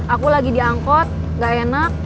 aku lagi diangkut gak enak